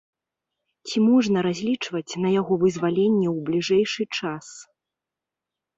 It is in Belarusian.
Ці можна разлічваць на яго вызваленне ў бліжэйшы час?